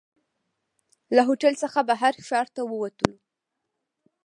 له هوټل څخه بهر ښار ته ووتلو.